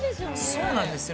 ◆そうなんですよ。